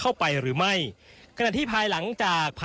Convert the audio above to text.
อันนี้คือเต็มร้อยเป็นเต็มร้อยเปอร์เซ็นต์แล้วนะครับ